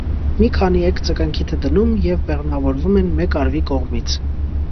Մի քանի էգ ձկնկիթը դնում և բեղմնավորվում են մեկ արուի կողմից։